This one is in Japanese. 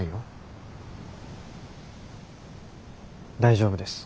大丈夫です。